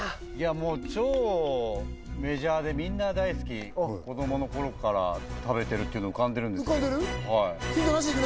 もう超メジャーでみんな大好き子供の頃から食べてるっていうの浮かんでるんですけどはい浮かんでる？